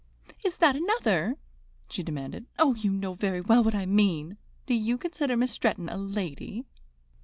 "Is that another?" she demanded. "Oh, you know very well what I mean. Do you consider Miss Stretton a lady?"